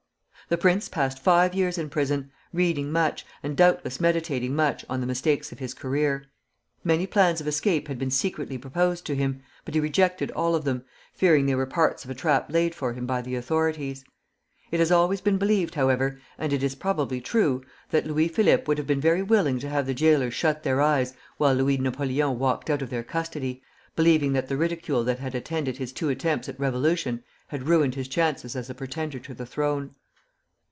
The prince passed five years in prison, reading much, and doubtless meditating much on the mistakes of his career. Many plans of escape had been secretly proposed to him, but he rejected all of them, fearing they were parts of a trap laid for him by the authorities. It has always been believed, however, and it is probably true, that Louis Philippe would have been very willing to have the jailers shut their eyes while Louis Napoleon walked out of their custody, believing that the ridicule that had attended his two attempts at revolution had ruined his chances as a pretender to the throne.